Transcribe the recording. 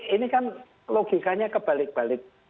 ini kan logikanya kebalik balik